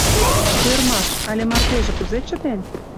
Ӧрмаш, але мартеже кузе чытен?